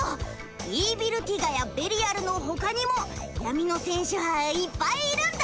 イーヴィルティガやベリアルの他にも闇の戦士はいっぱいいるんだ！